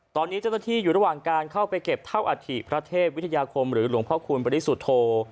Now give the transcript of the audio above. ตอนนี้เจ้าหน้าที่อยู่ระหว่างการเข้าไปเก็บเท่าอัฐิพระเทพวิทยาคมหรือหลวงพ่อคูณบริสุทธโธ